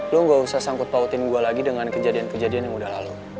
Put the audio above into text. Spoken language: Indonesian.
lo gak usah sangkut pautin gue lagi dengan kejadian kejadian yang udah lalu